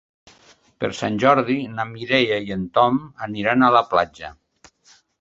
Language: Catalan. Per Sant Jordi na Mireia i en Tom aniran a la platja.